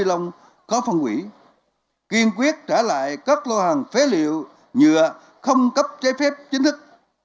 các loại túi ni lông khó phân quỷ kiên quyết trả lại các lo hàng phế liệu nhựa không cấp chế phép chính thức